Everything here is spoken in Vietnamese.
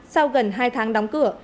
sau gần hai tháng đóng cửa